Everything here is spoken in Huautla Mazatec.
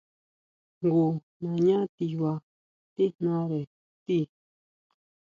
Jngu nañá tiba tíjnare ti.